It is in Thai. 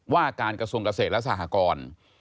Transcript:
ว่าการกระทรวงเกษตรและสหกร